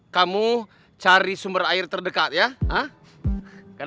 kamu cari sumber air terdekat ya